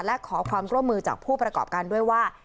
และขอความร่วมมือจากผู้ประกอบการด้วยว่า